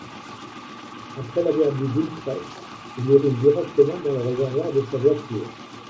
Après l'avoir bue d'une traite, il urine directement dans le réservoir de sa voiture.